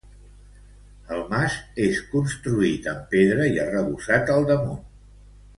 El mas és construït amb pedra i arrebossat al damunt.